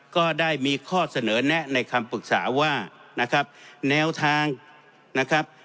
ก็ได้มีข้อเสนอแนะในคำปรึกษาว่านะครับแนวทางนะครับ